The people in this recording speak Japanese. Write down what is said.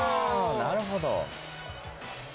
なるほど。